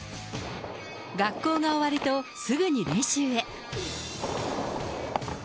学校が終わると、すぐに練習へ。